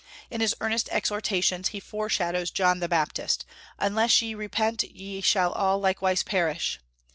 In his earnest exhortations he foreshadows John the Baptist: "Unless ye repent, ye shall all likewise perish."